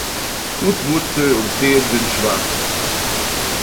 Fußwurzel und Zehen sind schwarz.